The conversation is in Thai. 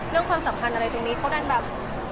ความสัมพันธ์อะไรตรงนี้เขาดันแบบ